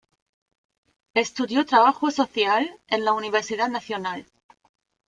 Estudió trabajo social en la Universidad Nacional.